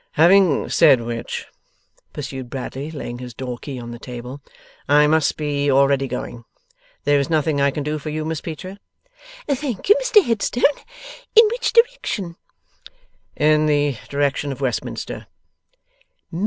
'Having said which,' pursued Bradley, laying his door key on the table, 'I must be already going. There is nothing I can do for you, Miss Peecher?' 'Thank you, Mr Headstone. In which direction?' 'In the direction of Westminster.